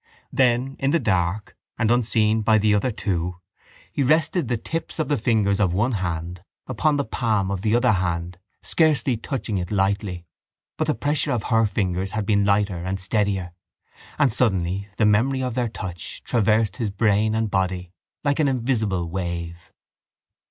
Then in the dark and unseen by the other two he rested the tips of the fingers of one hand upon the palm of the other hand, scarcely touching it lightly. But the pressure of her fingers had been lighter and steadier: and suddenly the memory of their touch traversed his brain and body like an invisible wave.